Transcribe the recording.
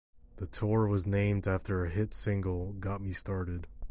The tour was named after her hit single "Got me Started".